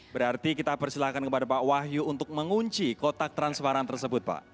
berarti kita persilahkan kepada pak wahyu untuk mengunci kotak transparan tersebut pak